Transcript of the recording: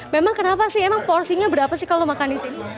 memang kenapa sih emang porsinya berapa sih kalau makan di sini